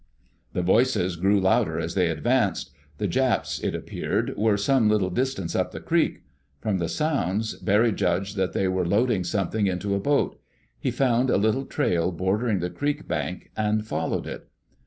The voices grew louder as they advanced. The Japs, it appeared, were some little distance up the creek. From the sounds, Barry judged that they were loading something into a boat. He found a little trail bordering the creek bank, and followed it.